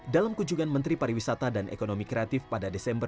dalam kunjungan menteri pariwisata dan ekonomi kreatif pada desember dua ribu dua puluh